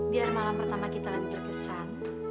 biar malam pertama kita lagi terkesan